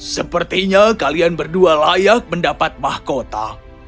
sepertinya kalian berdua layak mendapat mahkota